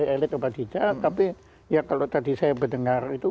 elit obat hijab tapi ya kalau tadi saya berdengar itu